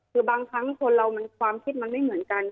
คือบางครั้งคนเราความคิดมันไม่เหมือนกัน